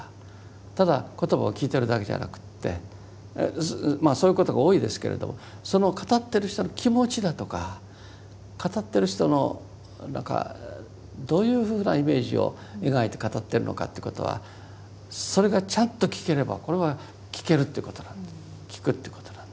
ただ言葉を聞いてるだけじゃなくってまあそういうことが多いですけれどもその語ってる人の気持ちだとか語ってる人の何かどういうふうなイメージを描いて語ってるのかということはそれがちゃんと聞ければこれは聞けるということだと。